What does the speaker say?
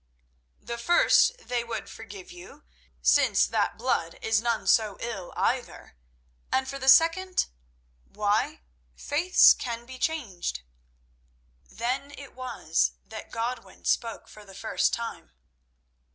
"The first they would forgive you, since that blood is none so ill either, and for the second—why, faiths can be changed." Then it was that Godwin spoke for the first time.